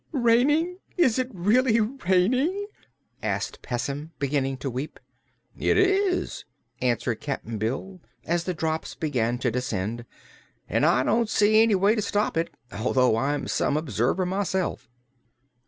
"Raining! Is it really raining?" asked Pessim, beginning to weep. "It is," answered Cap'n Bill, as the drops began to descend, "and I don't see any way to stop it although I'm some observer myself."